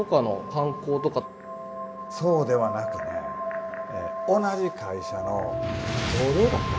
そうではなくね同じ会社の同僚だったんです。